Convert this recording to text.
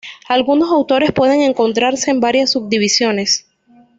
Algunos autores pueden encontrarse en varias subdivisiones.